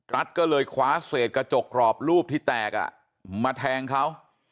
รัฐก็เลยคว้าเศษกระจกกรอบรูปที่แตกมาแทงเขา